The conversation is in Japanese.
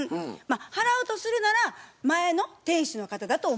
払うとするなら前の店主の方だと思います。